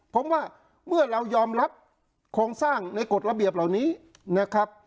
ผมว่าเมื่อเรายอมรับโครงสร้างในกฎระเบียบเหล่านี้นะครับ